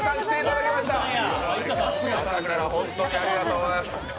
朝早くから本当にありがとうございます。